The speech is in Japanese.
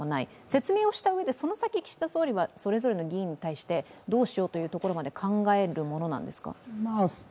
説明をしたうえでその先岸田総理はそれぞれの議員に対してどうしようというところまで考えるものなんですか？